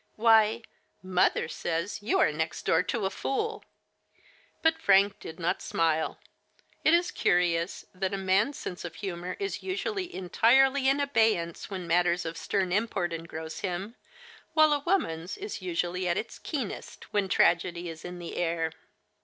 "Why, mother says you are next door to a fool !*" But Frank did not smile. It is curious that a man's sense of humor is usually entirely in abey ance when matters of stern import engross him, while a woman's is usually at its keenest when tragedy is in the air.